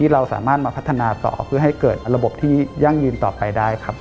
ระบบที่ยั่งยืนต่อไปได้ครับ